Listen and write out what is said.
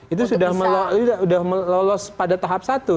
itu sudah melolos pada tahap satu